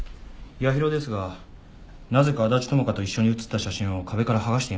八尋ですがなぜか安達智花と一緒に写った写真を壁から剥がしています。